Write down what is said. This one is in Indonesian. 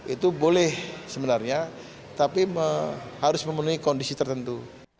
itu boleh sebenarnya tapi harus memenuhi kondisi tertentu